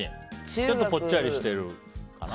ちょっとぽっちゃりしてるかな。